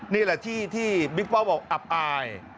นี่แหละที่บิ๊กป้อบอกอับอาย